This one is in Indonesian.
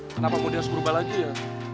kenapa bodi harus berubah lagi ya